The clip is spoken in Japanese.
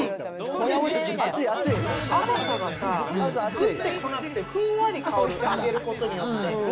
甘さがさ、ぐって来なくて、ふんわり来る、揚げることによって。